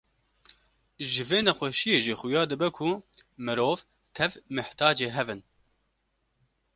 Ji vê nexweşiyê jî xuya dibe ku mirov tev mihtacê hev in.